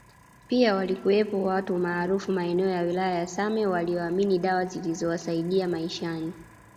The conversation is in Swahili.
Pia walikuwepo watu maarufu maeneo ya wilaya ya same walioamini dawa zilizowasaidia maishani